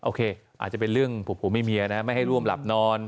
อาจจะเป็นเรื่องผัวเมียนะไม่ให้ร่วมหลับนอน